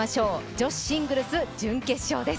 女子シングルス準決勝です。